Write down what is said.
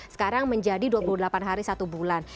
sekarang menjadi dua puluh delapan hari satu bulan